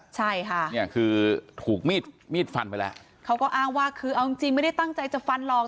ใช่ค่ะเนี่ยคือถูกมีดมีดฟันไปแล้วเขาก็อ้างว่าคือเอาจริงจริงไม่ได้ตั้งใจจะฟันหรอก